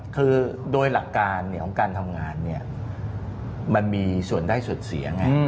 คือโดยหลักการของการทำงานเนี่ยมันมีส่วนได้ส่วนเสียไง